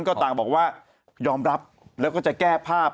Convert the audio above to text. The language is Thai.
ก็ต่างบอกว่ายอมรับแล้วก็จะแก้ภาพ